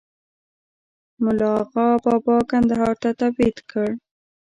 مُلا آغابابا کندهار ته تبعید کړ.